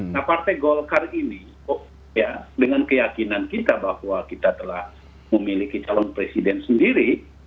nah partai golkar ini dengan keyakinan kita bahwa kita telah memiliki calon presiden sendiri